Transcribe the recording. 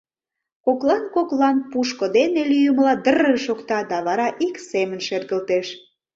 Коклан-коклан пушко дене лӱйымыла дыр-р шокта да вара ик семын шергылтеш.